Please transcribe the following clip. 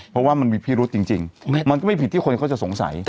เพราะว่ามันมีพิรุษจริงมันก็ไม่ผิดที่คนเขาจะสงสัย